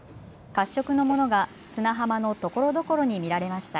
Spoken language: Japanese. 褐色のものが砂浜のところどころに見られました。